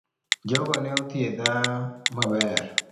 Jogi ne othiedha maber